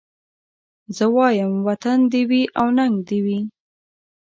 زه وايم وطن دي وي او ننګ دي وي